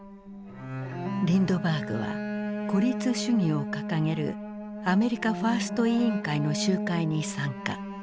リンドバーグは孤立主義を掲げるアメリカ・ファースト委員会の集会に参加。